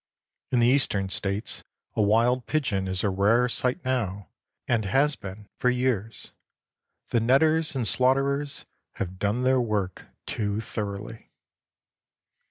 In the Eastern States a wild pigeon is a rare sight now, and has been for years; the netters and slaughterers have done their work too thoroughly.